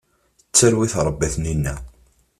D tarwa i trebba tninna.